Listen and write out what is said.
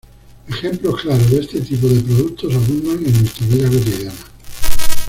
Ejemplos claros de este tipo de productos abundan en nuestra vida cotidiana.